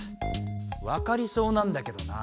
分かりそうなんだけどな。